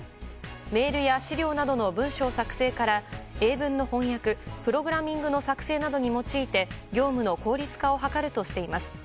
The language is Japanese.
メールや資料などの文章作成から英文の翻訳プログラミングの作成などに用いて業務の効率化を図るとしています。